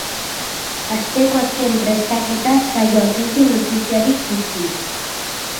Asteko azken prestaketa saioak ez du notiziarik utzi.